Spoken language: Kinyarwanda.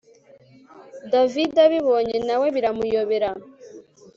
david abibonye nawe biramuyobera